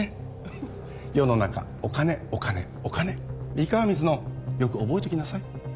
ンフ世の中お金お金お金いいか水野よく覚えておきなさい